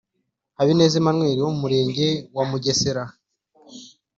Habineza Emmanuel wo mu murenge wa Mugesera